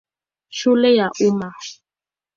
Shule ya Umma.